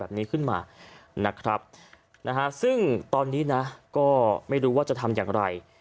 แบบนี้ขึ้นมาซึ่งตอนนี้นะไม่รู้ว่าจะทำอย่างไร